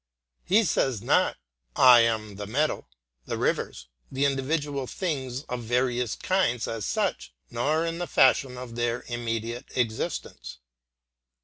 He says not, "I am the metal, the rivers, the individual things of various kinds as such, nor in the fashion of their immediate existence."